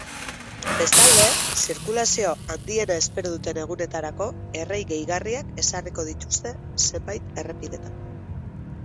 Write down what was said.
Bestalde, zirkulazio handiena espero duten egunetarako errei gehigarriak ezarriko dituzte zenbait errepidetan.